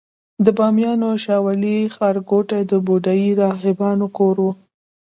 د بامیانو شاولې ښارګوټي د بودايي راهبانو کور و